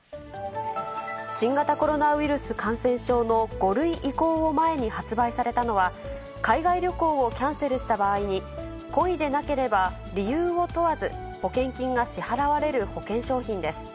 新型コロナウイルス感染症の５類移行を前に発売されたのは、海外旅行をキャンセルした場合に、故意でなければ理由を問わず、保険金が支払われる保険商品です。